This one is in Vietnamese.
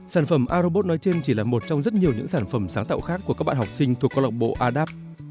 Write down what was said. sản phẩm arobot nói trên chỉ là một trong rất nhiều những sản phẩm sáng tạo khác của các bạn học sinh thuộc câu lạc bộ adapt